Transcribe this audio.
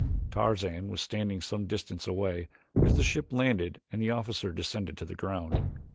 Tarzan was standing some distance away as the ship landed and the officer descended to the ground.